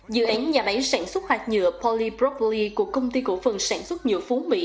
dự án nhà máy sản xuất hạt nhựa polyprotvli của công ty cổ phần sản xuất nhựa phú mỹ